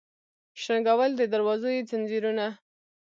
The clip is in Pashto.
شرنګول د دروازو یې ځنځیرونه